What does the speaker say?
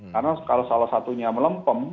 karena kalau salah satunya melempem